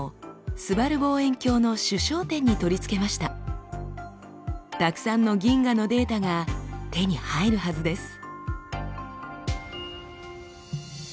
たくさんの銀河のデータが手に入るはずです。